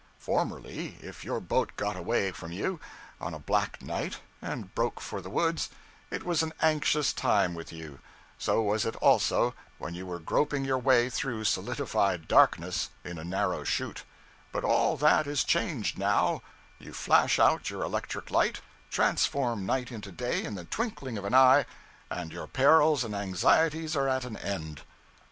Formerly, if your boat got away from you, on a black night, and broke for the woods, it was an anxious time with you; so was it also, when you were groping your way through solidified darkness in a narrow chute; but all that is changed now you flash out your electric light, transform night into day in the twinkling of an eye, and your perils and anxieties are at an end.